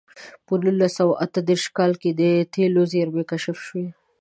په نولس سوه اته دېرش کال کې د تېلو زېرمې کشف شوې.